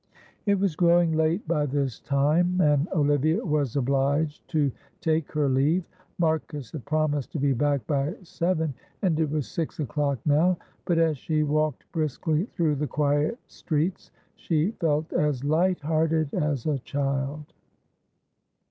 It was growing late by this time, and Olivia was obliged to take her leave. Marcus had promised to be back by seven, and it was six o'clock now; but as she walked briskly through the quiet streets she felt as light hearted as a child.